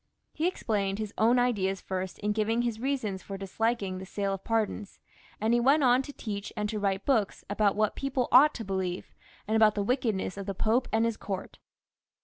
He explained his own ideas first in giving his reasons for disliking the sale of pardons, and he went on to teach and to write books about what people ought to believe, and about the wickedness of the Pope and his court.